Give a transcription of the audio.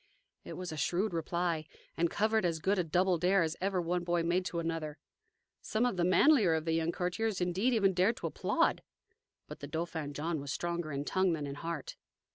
It was a shrewd reply, and covered as good a "double dare" as ever one boy made to another. Some of the manlier of the young courtiers indeed even dared to applaud. But the Dauphin John was stronger in tongue than in heart.